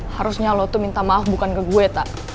harusnya lo tuh minta maaf bukan ke gue tak